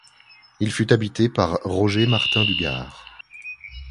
Il fut habité par Roger Martin du Gard.